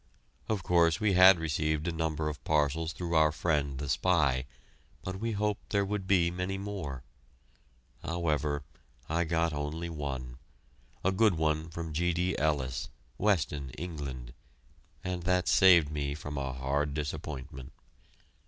Of course, we had received a number of parcels through our friend the spy, but we hoped there would be many more. However, I got only one, a good one from G. D. Ellis, Weston, England, and that saved me from a hard disappointment.